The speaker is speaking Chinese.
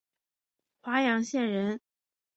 华阳县人。